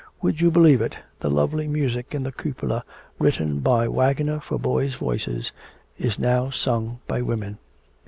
Would you believe it, the lovely music in the cupola, written by Wagner for boys' voices, is now sung by women.'